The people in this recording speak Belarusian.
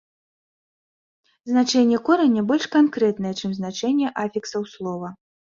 Значэнне кораня больш канкрэтнае, чым значэнне афіксаў слова.